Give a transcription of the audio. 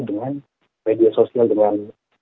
dengan media sosial dengan